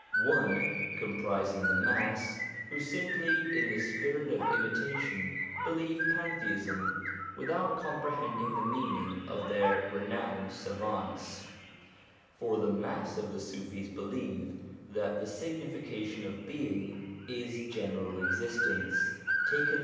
One, comprising the mass, who, simply in the spirit of imitation, believe pantheism, without com prehending the meaning of their renowned savants ; for the mass of the Sufis believe that the signification of Being is general existence, taken